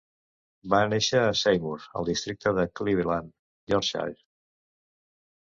Va néixer a Seymour, al districte de Cleveland, Yorkshire.